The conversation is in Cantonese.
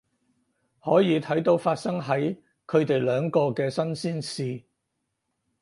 可以睇到發生喺佢哋兩個嘅新鮮事